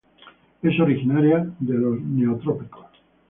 Es originaria de los Neotrópicos.